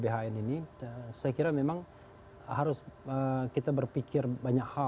atau perubahan itu apa yaitu